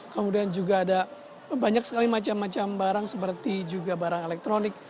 kemudian juga ada banyak sekali macam macam barang seperti juga barang elektronik